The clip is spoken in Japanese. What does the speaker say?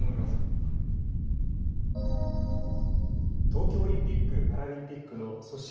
東京オリンピック・パラリンピックの組織